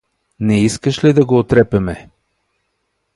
Не искаш ли да го утрепеме?